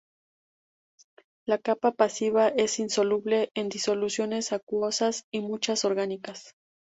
La capa pasiva es insoluble en disoluciones acuosas y muchas orgánicas.